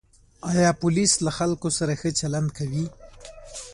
آیا پولیس له خلکو سره ښه چلند کوي؟